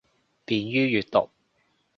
便于阅读